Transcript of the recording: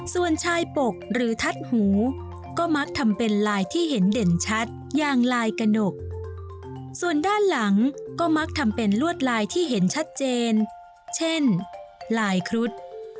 ส่วนชายปกหรือทัดหูก็มักทำเป็นลายที่เห็นเด่นชัดอย่างลายกระหนกส่วนด้านหลังก็มักทำเป็นลวดลายที่เห็นชัดเจนเช่นลายครุฑ